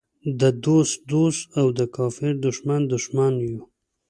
د دوست دوست او د کافر دښمن دښمن یو.